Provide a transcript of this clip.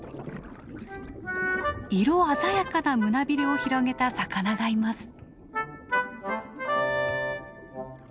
色鮮やかな胸びれを広げた魚がいます。